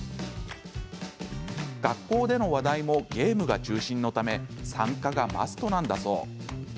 学校での話題もゲームが中心のため参加がマストなんだそう。